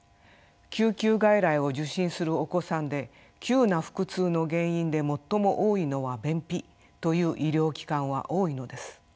救急外来を受診するお子さんで急な腹痛の原因で最も多いのは便秘という医療機関は多いのです。